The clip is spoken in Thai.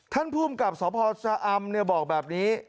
ท่านภูมิกับสพชะอำบอกแบบนี้